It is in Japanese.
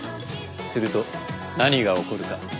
すると何が起こるか。